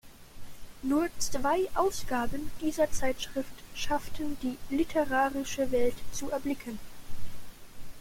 Nur zwei Ausgaben dieser Zeitschrift schafften die literarische Welt zu erblicken.